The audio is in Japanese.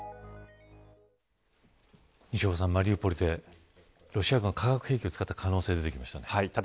マリウポリでロシア軍は化学兵器を使った可能性が出てきました。